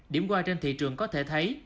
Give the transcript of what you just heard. điểm qua trên thị trường có thể thấy